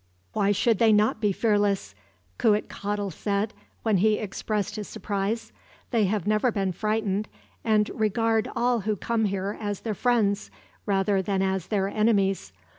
"Why should they not be fearless?" Cuitcatl said, when he expressed his surprise. "They have never been frightened, and regard all who come here as their friends, rather than as their enemies.